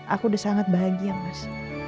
aku udah sangat bahagia mas